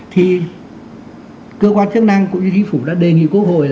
thì cơ quan chức năng cũng như chính phủ đã đề nghị quốc hội